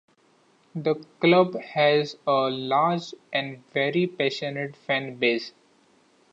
The club has a large and very passionate fan base.